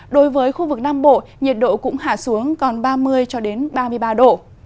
đối với khu vực nam bộ nhiệt độ cũng hạ xuống còn ba mươi ba mươi ba độ